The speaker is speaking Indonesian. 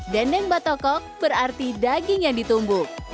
dendeng batoko berarti daging yang ditumbuk